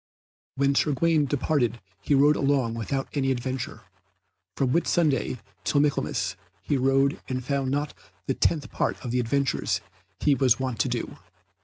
When Sir Gawaine departed he rode long without any adventure. From Whitsunday to Michaelmas he rode and found not the tenth part of the adventures he was wont to do.